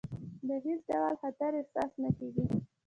د هېڅ ډول خطر احساس نه کېږي.